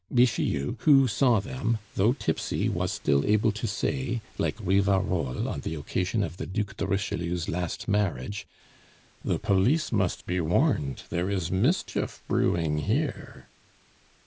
Bixiou, who saw them, though tipsy, was still able to say, like Rivarol, on the occasion of the Duc de Richelieu's last marriage, "The police must be warned; there is mischief brewing here."